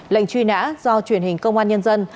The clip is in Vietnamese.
lệnh truy nã do truyền hình công an nhân dân